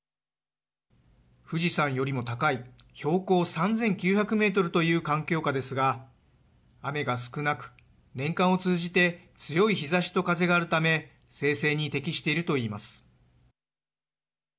富士山よりも高い標高３９００メートルという環境下ですが雨が少なく年間を通じて強い日ざしと風があるため精製に適しているといいます。